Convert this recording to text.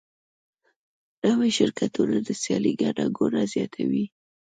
نوي شرکتونه د سیالۍ ګڼه ګوڼه زیاتوي.